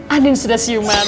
andin sudah siuman